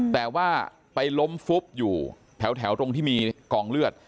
แต่ว่าไปล้มฟุบอยู่แถวตรงที่มีกองเลือด